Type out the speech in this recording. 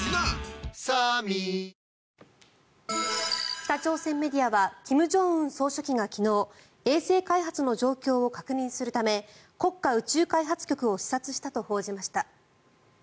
北朝鮮メディアは金正恩総書記が昨日衛星開発の状況を確認するため国家宇宙開発局を視察したと報じました。